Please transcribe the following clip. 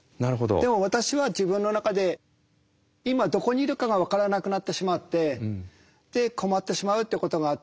でも私は自分の中で今どこにいるかが分からなくなってしまってで困ってしまうっていうことがあって。